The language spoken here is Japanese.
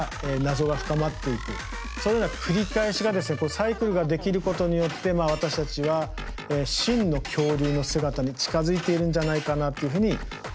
サイクルができることによって私たちは真の恐竜の姿に近づいているんじゃないかなっていうふうに思っています。